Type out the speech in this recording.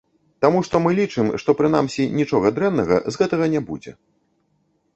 Таму што мы лічым, што прынамсі нічога дрэннага з гэтага не будзе.